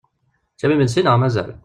Teččam imensi neɣ mazal?